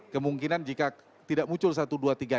kemungkinan jika tidak muncul satu dua tiga